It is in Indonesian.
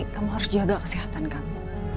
kamu harus jaga kesehatan kamu